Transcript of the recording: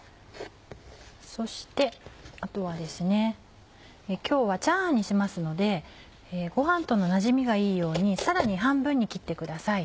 そしてあとはですね今日はチャーハンにしますのでご飯とのなじみがいいようにさらに半分に切ってください。